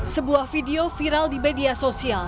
sebuah video viral di media sosial